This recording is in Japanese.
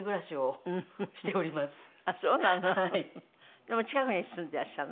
でも近くに住んでらっしゃるの？